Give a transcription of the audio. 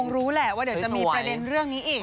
รู้แหละว่าเดี๋ยวจะมีประเด็นเรื่องนี้อีก